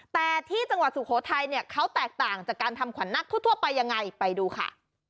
แต่ที่จังหวัดสุโขทัยเนี่ยเขาแตกต่างจากการทำขวัญนักทั่วไปยังไงไปดูค่ะ